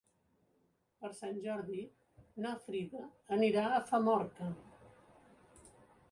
Per Sant Jordi na Frida anirà a Famorca.